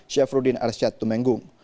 syafruddin arsyad tumenggung